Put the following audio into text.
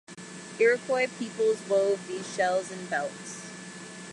Iroquois peoples wove these shells in belts.